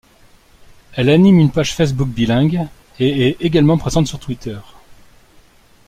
Elle anime une page Facebook bilingue et est également présente sur Twitter.